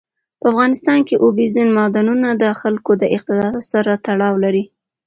په افغانستان کې اوبزین معدنونه د خلکو د اعتقاداتو سره تړاو لري.